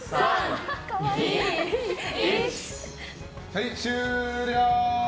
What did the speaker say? はい、終了！